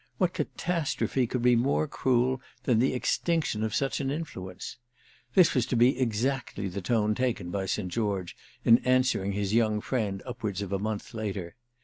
What catastrophe could be more cruel than the extinction of such an influence? This was to be exactly the tone taken by St. George in answering his young friend upwards of a month later.